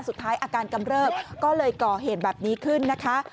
สุดท้ายอาการกำเริบก็เลยก่อเหตุแบบนี้ขึ้นนะคะ